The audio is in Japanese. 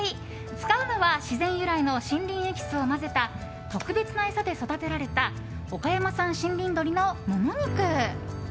使うのは自然由来の森林エキスを混ぜた特別な餌で育てられた岡山産森林鶏のモモ肉。